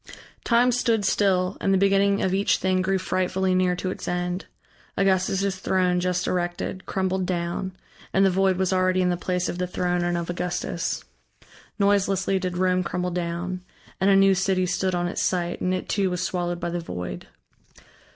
Time stood still, and the beginning of each thing grew frightfully near to its end. Augustus' throne just erected, crumbled down, and the void was already in the place of the throne and of Augustus. Noiselessly did Rome crumble down, and a new city stood on its site and it too was swallowed by the void.